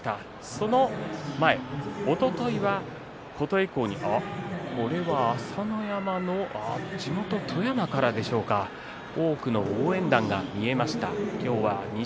その前おとといは琴恵光にこれは朝乃山の地元富山でしょうか多くの応援団が見えました。